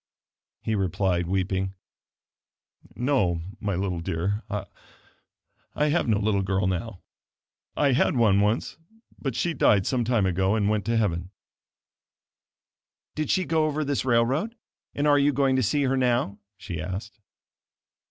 He replied, weeping, "No my little dear I have no little girl now. I had one once; but she died some time ago, and went to heaven." "Did she go over this railroad, and are you going to see her now?" she asked.